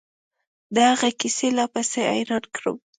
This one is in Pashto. د هغه کيسې لا پسې حيران کړم.